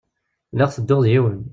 Lliɣ ttedduɣ d yiwen.